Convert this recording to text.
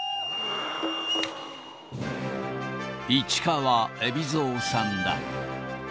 市川海老蔵さんだ。